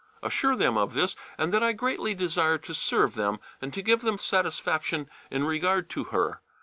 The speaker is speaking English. Assure them of this, and that I greatly desire to serve them and to give them satisfaction in regard to her.